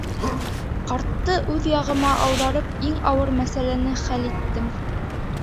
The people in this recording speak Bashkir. Ҡартты үҙ яғыма ауҙарып, иң ауыр мәсьәләне хәл иттем.